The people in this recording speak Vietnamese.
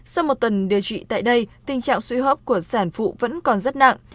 sau một tuần điều trị tại đây tình trạng suy hấp của sản phụ vẫn còn rất nặng